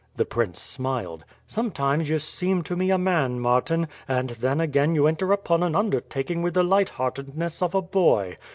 The prince smiled. "Sometimes you seem to me a man, Martin, and then again you enter upon an undertaking with the light heartedness of a boy.